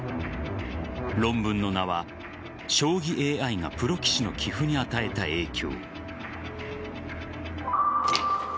論文の名は「将棋ＡＩがプロ棋士の棋譜に与えた影響」